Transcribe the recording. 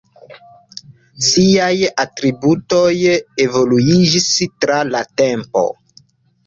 Ŝiaj atributoj evoluiĝis tra la tempo.